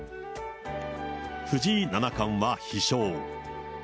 藤井七冠は飛翔。